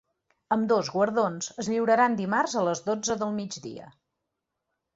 Ambdós guardons es lliuraran dimarts a les dotze del migdia.